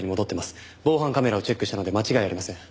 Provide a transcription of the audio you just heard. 防犯カメラをチェックしたので間違いありません。